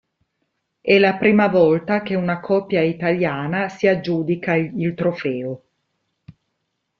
È la prima volta che una coppia italiana si aggiudica il trofeo.